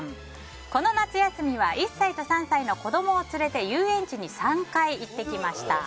この夏休みは１歳と３歳の子供を連れて遊園地に３回行ってきました。